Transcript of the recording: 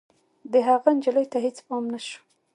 د هغه نجلۍ ته هېڅ پام نه شو.